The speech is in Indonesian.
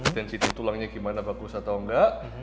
density tulangnya bagaimana bagus atau enggak